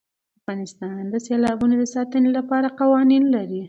افغانستان د سیلابونه د ساتنې لپاره قوانین لري.